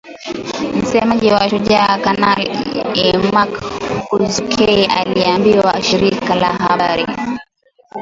Msemaji wa Shujaa Kanali Mak Hazukay aliliambia shirika la habari